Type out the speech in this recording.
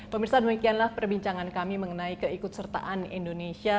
pemirsa demikianlah perbincangan kami mengenai keikutsertaan indonesia